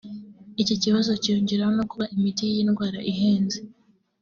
Iki kibazo cyiyongeraho no kuba imiti y’iyi ndwara ihenze